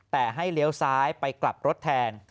แต่ให้เลี้ยวซ้ายไปกลับรถแทน